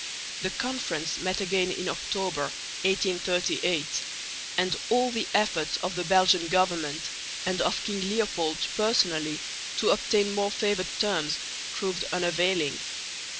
The Conference met again in October, 1838; and all the efforts of the Belgian government, and of King Leopold personally, to obtain more favoured terms proved unavailing.